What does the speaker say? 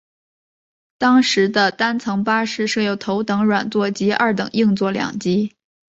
当时的单层巴士设有头等软座及二等硬座两级。